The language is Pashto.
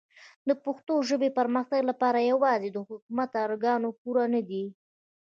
د پښتو ژبې پرمختګ لپاره کار یوازې د حکومتي ارګانونو پورې نه دی.